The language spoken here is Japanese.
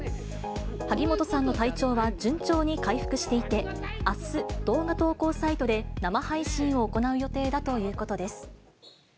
萩本さんの体調は順調に回復していて、あす、動画投稿サイトで生配信を行う予定だということです。